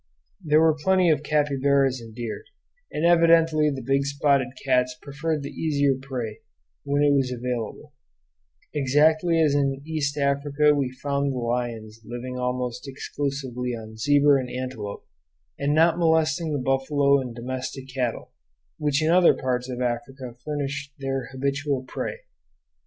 There were plenty of capybaras and deer, and evidently the big spotted cats preferred the easier prey when it was available; exactly as in East Africa we found the lions living almost exclusively on zebra and antelope, and not molesting the buffalo and domestic cattle, which in other parts of Africa furnish their habitual prey.